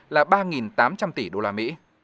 là ba tám trăm linh tỷ usd